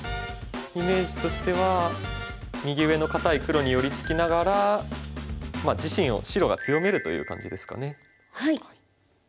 イメージとしては右上の堅い黒に寄り付きながら自身を白が強めるという感じですかね。